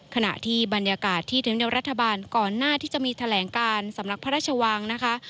ขณะที่บรรยากาศที่ถึงเดียวรัฐบาลก่อนหน้าที่จะมีแถลงการสำนักพระราชวังนะคะ